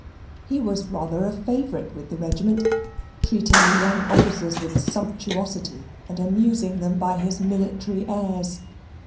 He was rather a favourite with the regiment, treating the young officers with sumptuosity, and amusing them by his military airs.